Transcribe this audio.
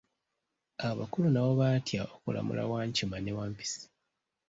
Abakulu nabo baatya okulamula Wankima ne Wampisi.